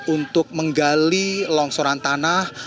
untuk menggali longsoran tanah